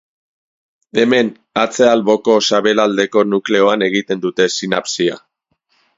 Hemen, atze-alboko sabelaldeko nukleoan egiten dute sinapsia.